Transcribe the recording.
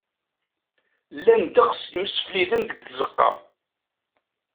Llan ddeqs imsefliden deg tzeqqa.